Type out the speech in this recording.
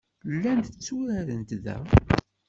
Llant tturarent da.